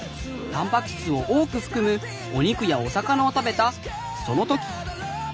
たんぱく質を多く含むお肉やお魚を食べたその時！